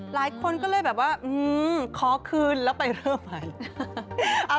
หลายคนก็เลยแบบว่าขอคืนแล้วไปเริ่มใหม่